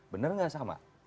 benar gak sama